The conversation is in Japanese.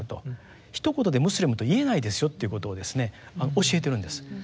ひと言でムスリムと言えないですよっていうことをですね教えてるんです。